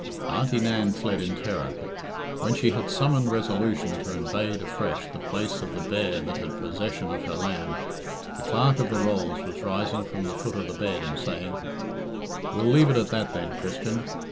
Auntie Nan fled in terror. When she had summoned resolution to invade afresh the place of the bear that had possession of her lamb, the Clerk of the Rolls was rising from the foot of the bed and saying "We'll leave it at that then, Christian.